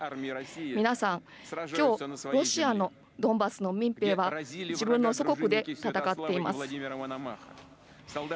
皆さん、きょうロシアのドンバスの民兵は自分の祖国で戦っています。